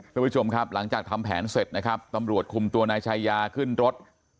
คุณผู้ชมครับหลังจากทำแผนเสร็จนะครับตำรวจคุมตัวนายชายาขึ้นรถ